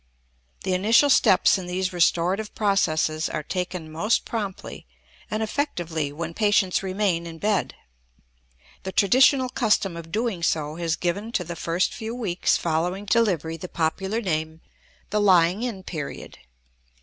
The initial steps in these restorative processes are taken most promptly and effectively when patients remain in bed. The traditional custom of doing so has given to the first few weeks following delivery the popular name, "the Lying in Period."